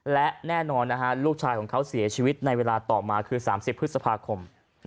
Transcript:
และแน่นอนนะฮะลูกชายของเขาเสียชีวิตในเวลาต่อมาคือ๓๐พฤษภาคม